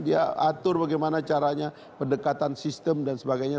dia atur bagaimana caranya pendekatan sistem dan sebagainya